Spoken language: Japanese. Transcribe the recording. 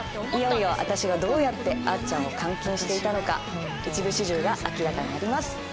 いよいよ私がどうやってあっちゃんを監禁していたのか一部始終が明らかになります。